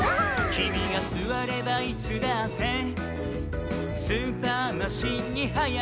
「きみがすわればいつだってスーパー・マシンにはやがわり」